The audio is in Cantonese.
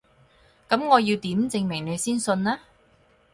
噉我要點證明你先信啊？